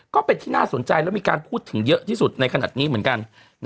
ก็เป็นที่น่าสนใจและมีการพูดถึงเยอะที่สุดในขณะนี้เหมือนกัน